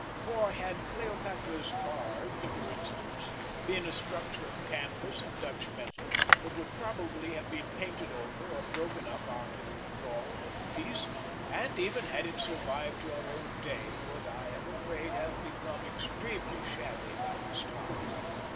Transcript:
For had Cleopatra's barge, for instance, been a structure of canvas and Dutch metal, it would probably have been painted over or broken up after the withdrawal of the piece, and, even had it survived to our own day, would, I am afraid, have become extremely shabby by this time.